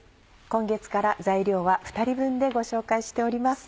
今月から材料は２人分でご紹介しております。